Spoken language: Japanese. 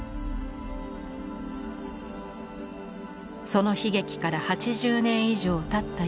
その悲劇から８０年以上たった